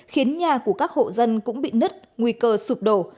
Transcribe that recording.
khiến nhà của các hộ dân cũng bị nứt nguy cơ sụp đổ